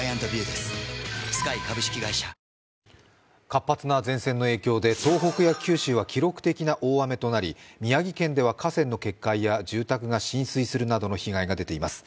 活発な前線の影響で東北や九州は記録的な大雨となり宮城県では河川の決壊や住宅が浸水するなどの被害が出ています。